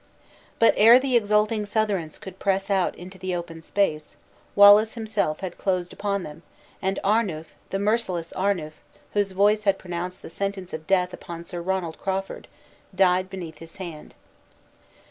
But ere the exulting Southrons could press out into the open space, Wallace himself had closed upon them, and Arnuf, the merciless Arnuf, whose voice had pronounced the sentence of death upon Sir Ronald Crawford, died beneath his hand.